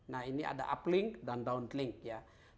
nah ini ada uplink dan downlink ya